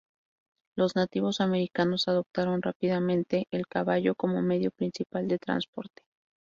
Los nativos americanos adoptaron rápidamente el caballo como medio principal de transporte.